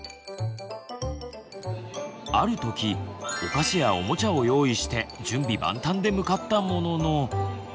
ある時お菓子やおもちゃを用意して準備万端で向かったものの。